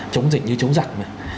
chống dịch như chống giặc